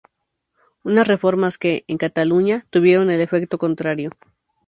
Unas reformas que, en Cataluña, tuvieron el efecto contrario.